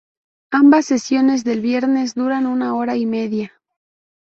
Ambas sesiones del viernes duran una hora y media.